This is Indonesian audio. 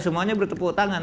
semuanya bertepuk tangan